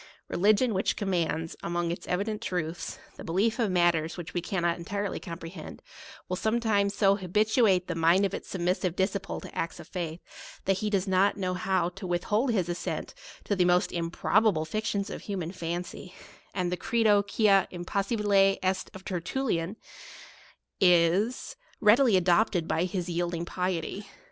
Religion, which commands, among its evi dent truths, the belief of matters which we cannot entirely comprehend, will sometimes so habituate the mind of its submissive disci ple to acts of faith, that he does not know how to withhold his assent to the most im probable fictions of human fancy ; and the Credo quia impossibile est of Tertullian is read ily adopted by his yielding piety.